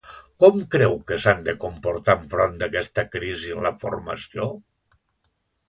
Com creu que s'han de comportar enfront d'aquesta crisi en la formació?